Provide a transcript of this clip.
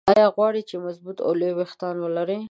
ايا غواړئ چې مضبوط او لوى ويښتان ولرى؟